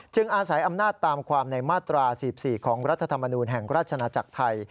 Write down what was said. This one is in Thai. อาศัยอำนาจตามความในมาตรา๔๔ของรัฐธรรมนูลแห่งราชนาจักรไทย